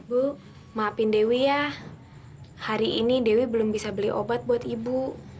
bu maafin dewi ya hari ini dewi belum bisa beli obat buat ibu